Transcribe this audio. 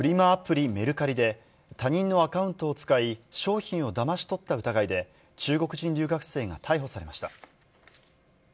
アプリ、メルカリで、他人のアカウントを使い商品をだまし取った疑いで、中国人留学生が逮捕されました。